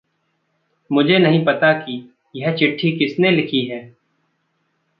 मुझे नहीं पता कि यह चिट्ठी किसने लिखी है।